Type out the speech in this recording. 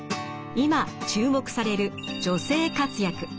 今注目される女性活躍。